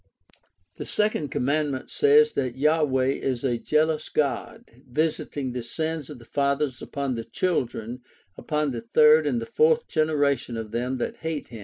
The Second Commandment says that Yahweh is " a jealous God, visiting the sins of the fathers upon the children, upon the third and the fourth generation of them that hate" him.